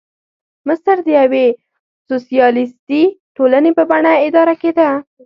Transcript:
مصر د یوې سوسیالیستي ټولنې په بڼه اداره کېده.